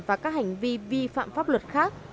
và các hành vi vi phạm pháp luật khác